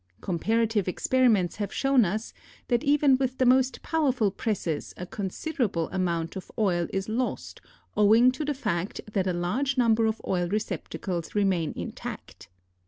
Comparative experiments have shown us that even with the most powerful presses a considerable, amount of oil is lost owing to the fact that a large number of oil receptacles remain intact.